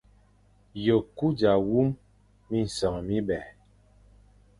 Ye ku za wum minsef mibè.